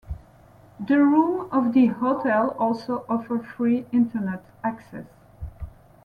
The rooms of the hotel also offer free internet access.